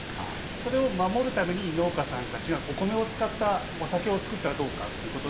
それを守るために農家さんたちがお米を使ったお酒を造ったらどうかっていうことで。